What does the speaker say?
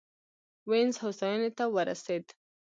وینز هوساینې ته ورسېد.